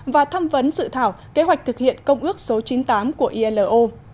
và thăm vấn dự thảo kế hoạch thực hiện công ước số chín mươi tám của ilo